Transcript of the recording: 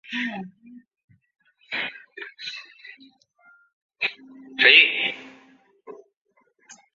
凯特波。